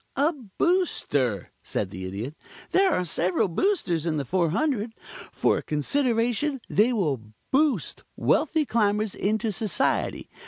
"A Booster," said the Idiot. "There are several Boosters in the 400. For a consideration they will boost wealthy Climbers into Society.